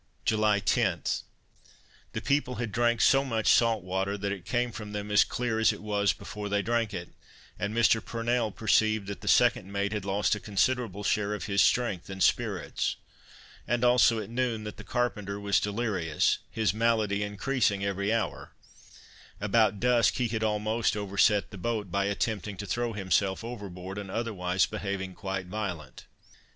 July 10. The people had drank so much salt water, that it came from them as clear as it was before they drank it; and Mr. Purnell perceived that the second mate had lost a considerable share of his strength and spirits; and also, at noon, that the carpenter was delirious, his malady increasing every hour; about dusk he had almost overset the boat, by attempting to throw himself overboard, and otherwise behaving quite violent.